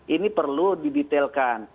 ini perlu didetailkan